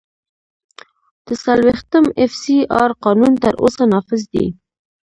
د څلوېښتم اېف سي آر قانون تر اوسه نافذ دی.